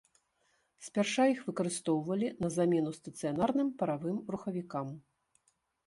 Спярша іх выкарыстоўвалі на замену стацыянарным паравым рухавікам.